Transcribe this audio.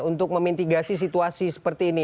untuk memitigasi situasi seperti ini